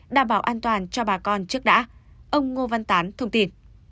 đảm bảo an toàn cho bà con trước đã ông ngô văn tán thông tin